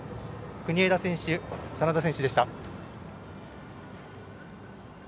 国枝選手、眞田選手でした。